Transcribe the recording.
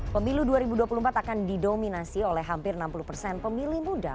pemilu dua ribu dua puluh empat akan didominasi oleh hampir enam puluh persen pemilih muda